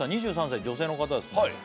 ２３歳女性の方ですね